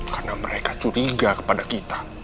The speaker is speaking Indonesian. karena mereka curiga pada kita